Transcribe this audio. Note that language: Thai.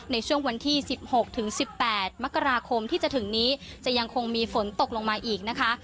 ในช่วงวันที่๑๖ถึง๑๘มกราคมที่จะถึงนี้จะยังคงมีฝนตกลงมาอีกนะคะ